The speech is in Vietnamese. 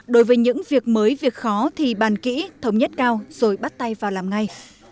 đối với những việc mới việc khó thì bàn kỹ thống nhất cao rồi bắt tay vào làm ngay